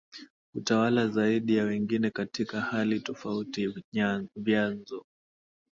kutawala zaidi ya wengine katika hali tofauti vyanzo